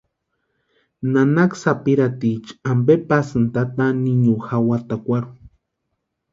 ¿Nanaka sapirhaticha ampe pasïni tata niño jawatakwarhu?